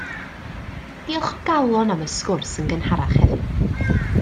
Diolch o galon am y sgwrs yn gynharach heddiw